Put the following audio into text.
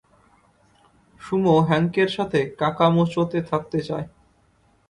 Sumo হ্যাংকের সাথে কাকামুচোতে থাকতে চায়।